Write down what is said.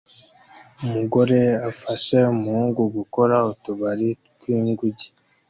Umugore afasha umuhungu gukora utubari twinguge